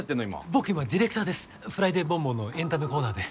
僕今ディレクターです「フライデーボンボン」のエンタメコーナーで。